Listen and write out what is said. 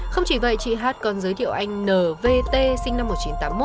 không chỉ vậy chị hát còn giới thiệu anh nvt sinh năm một nghìn chín trăm tám mươi một